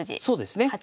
そうですね。